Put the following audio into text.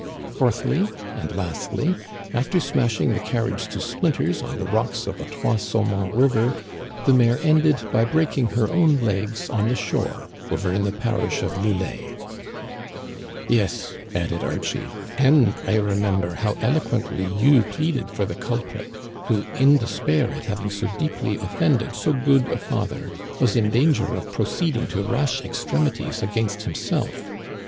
Fourthly, and lastly, after smashing the carriage to splinters on the rocks of the Trois Saumons River, the mare ended Digitized by VjOOQIC 244 THE CANADIANS OF OLD, by breaking her own legs on the shore, over in the parish of L'Islet." " Yes," added Archie, " and I remember how elo quently you pleaded for the culprit, who, in despair at having so deeply offended so good a father, was in dan ger of proceeding to rash extremities against himself.